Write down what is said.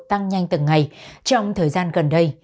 tăng nhanh từng ngày trong thời gian gần đây